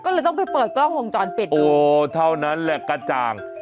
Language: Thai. ก็เลยต้องไปเปิดกล้องวงจรปิดโอ้เท่านั้นแหละกระจ่าง